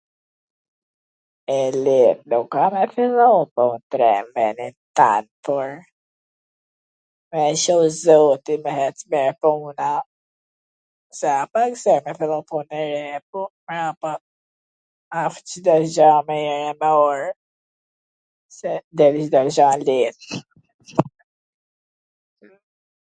E let nuk ka me fillu, po t rrin venet hapur e i shoft zoti me ec mir puna, se a pwrse e fillon punwn e re, po mbrapa asht Cdo gja mir e mar, se deri Cdo gja leet ...